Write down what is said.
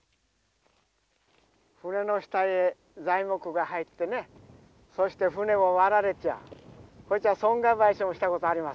舟の下へ材木が入ってねそして舟を割られちゃこいつは損害賠償をしたことありますわええ。